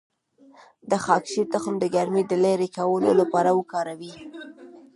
د خاکشیر تخم د ګرمۍ د لرې کولو لپاره وکاروئ